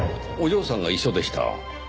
お嬢さんが一緒でした。